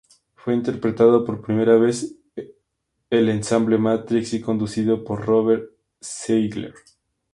Fue interpretado por primera vez por el Ensamble Matrix y conducido por Robert Ziegler.